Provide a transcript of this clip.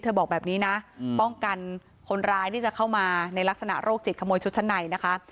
บอกแบบนี้นะป้องกันคนร้ายที่จะเข้ามาในลักษณะโรคจิตขโมยชุดชั้นในนะคะ